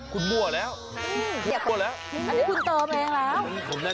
คุณมั่วแล้วมั่วแล้วอันนี้คุณเติมเองแล้ว